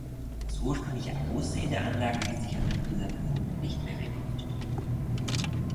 Das ursprüngliche Aussehen der Anlage ließ sich anhand dieser Befunde nicht mehr rekonstruieren.